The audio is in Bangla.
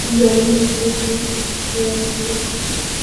জল নিতে যাবে, নাকি এখানেই কথা বলবে?